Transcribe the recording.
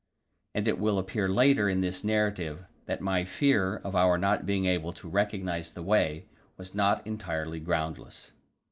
And it will appear later in this narrative that my fear of our not being able to recognize the way was not entirely groundless.